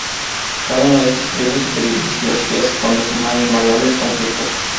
Cada una de estas tribus sigue diversas filosofías que conducen a invariables conflictos.